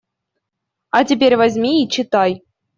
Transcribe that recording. А теперь возьми и читай.